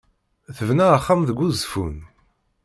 Tebna axxam deg Uzeffun?